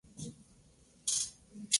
Ahora vive en Tampa, Florida.